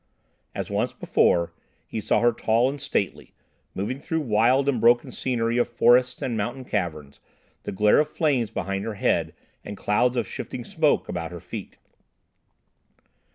As once before, he saw her tall and stately, moving through wild and broken scenery of forests and mountain caverns, the glare of flames behind her head and clouds of shifting smoke about her feet.